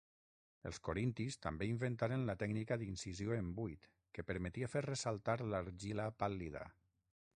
Els corintis també inventaren la tècnica d'incisió en buit que permetia fer ressaltar l'argila pàl·lida.